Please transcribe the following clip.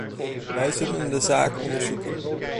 Wij zullen de zaak onderzoeken.